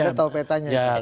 ada tau petanya